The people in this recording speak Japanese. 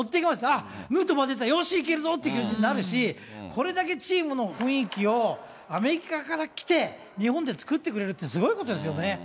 あっ、ヌートバー出た、よしいけるぞっていう気持ちになるし、これだけチームの雰囲気を、アメリカから来て、日本で作ってくれるって、すごいことですよね。